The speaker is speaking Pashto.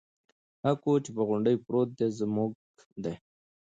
هغه کور چې په غونډۍ پروت دی زموږ دی.